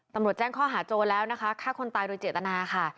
ตำรวจแจ้งข้อหาโจรแล้วนะคะฆ่าคนตายโดยเจตนาค่ะ